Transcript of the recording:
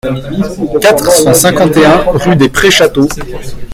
quatre cent cinquante et un rue des Prés Château